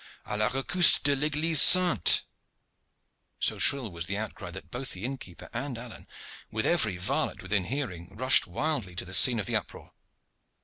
A la recousse de l'eglise sainte!" So shrill was the outcry that both the inn keeper and Alleyne, with every varlet within hearing, rushed wildly to the scene of the uproar.